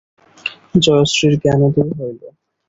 জয়শ্রীর জ্ঞানোদয় হইল।